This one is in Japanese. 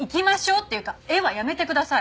っていうか「えっ？」はやめてください。